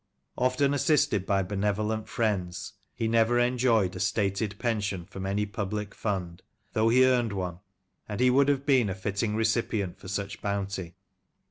Often assisted by benevolent friends, he never enjoyed a stated pension from any public fund, though he earned one, and he would have been a fitting recipient for such bounty.